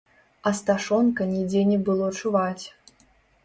Асташонка нідзе не было чуваць.